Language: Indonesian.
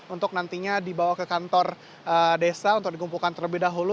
untuk nantinya dibawa ke kantor desa untuk dikumpulkan terlebih dahulu